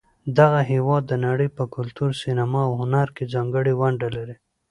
دغه هېواد د نړۍ په کلتور، سینما، او هنر کې ځانګړې ونډه لري.